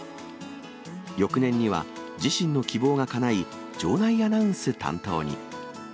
翌年には自身の希望がかない、場内アナウンス担当に。